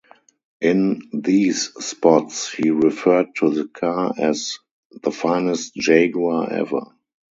In these spots, he referred to the car as "the finest Jaguar ever".